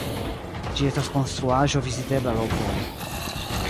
Ĝi estas konstruaĵo vizitebla laŭvole.